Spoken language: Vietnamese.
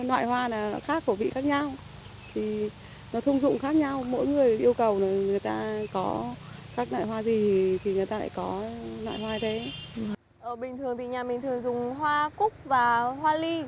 ở vị thường thì nhà mình thường dùng hoa cúc và hoa ly